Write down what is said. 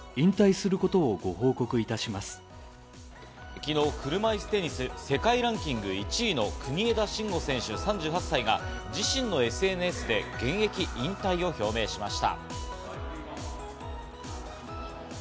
昨日、車いすテニス世界ランキング１位の国枝慎吾選手３８歳が自身のＳＮＳで現役引退を表明しました。